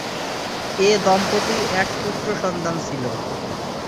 এ দম্পতির এক পুত্রসন্তান ছিল।